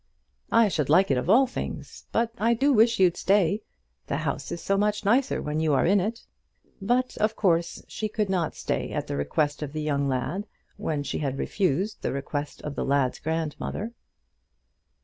"I should like it, of all things; but I do wish you'd stay: the house is so much nicer when you are in it!" But of course she could not stay at the request of the young lad, when she had refused the request of the lad's grandmother.